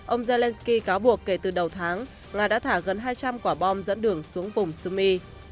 ông zelensky cáo buộc kể từ đầu tháng nga đã thả gần hai trăm linh quả bom dẫn đường xuống vùng summi